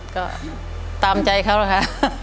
ก็ตามใจเขานะคะ